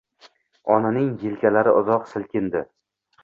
Onaning elkalari uzoq silkindi